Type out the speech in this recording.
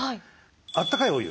あったかいお湯。